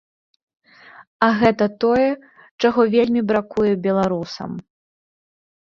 А гэта тое, чаго вельмі бракуе беларусам.